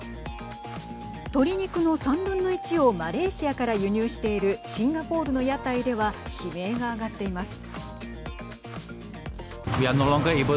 鶏肉の３分の１をマレーシアから輸入しているシンガポールの屋台では悲鳴が上がっています。